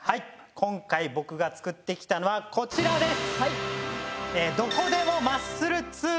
今回僕が作って来たのはこちらです！